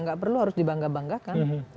nggak perlu harus dibangga banggakan